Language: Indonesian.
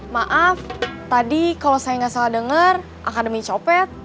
maaf tadi kalau saya nggak salah dengar akademi copet